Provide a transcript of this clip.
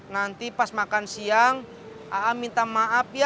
nanti pas makan siang minta maaf ya